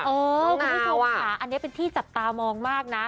คุณผู้ชมค่ะอันนี้เป็นที่จับตามองมากนะ